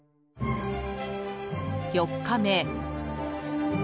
４日目。